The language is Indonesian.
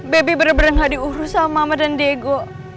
baby bener bener gak diurus sama mama dan diego